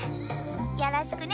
よろしくね。